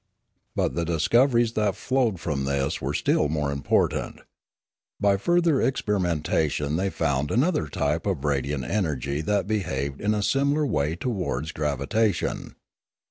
But the discoveries that flowed from this were still more important. By further experimentation they found another type of radiant energy that behaved in a similar way towards gravitation.